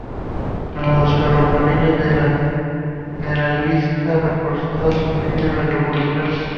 Los Ferrocarriles de la Generalitat reforzaron sus líneas metropolitanas.